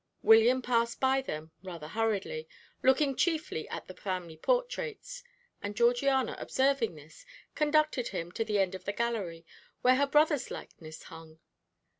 William passed by them rather hurriedly, looking chiefly at the family portraits, and Georgiana, observing this, conducted him to the end of the gallery, where her brother's likeness hung.